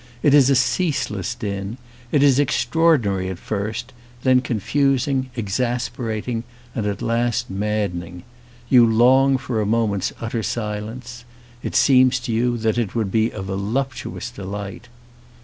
It is a cease less din. It is extraordinary at first, then confus ing, exasperating, and at last maddening. You long for a moment's utter silence. It seems to you that it would be a voluptuous delight.